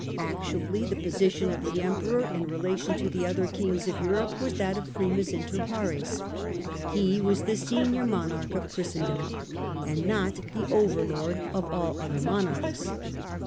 Actually the position of the Emperor, in rela tion to the other kings of Europe, was that of " 'primus inter 'pares "; he was the senior monarch of Christendom, and not the overlord of all other monarchs.